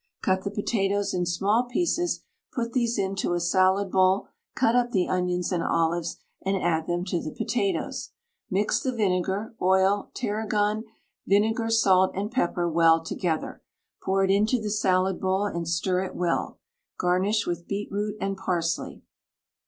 Cut the potatoes in small pieces, put these into a salad bowl, cut up the onions and olives, and add them to the potatoes. Mix the vinegar, oil, tarragon vinegar, salt, and pepper well together, pour it into the salad bowl, and stir it well. Garnish with beetroot and parsley.